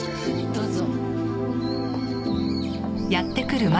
どうぞ。